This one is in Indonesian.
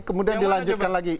kemudian dilanjutkan lagi